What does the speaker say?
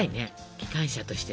機関車としてさ。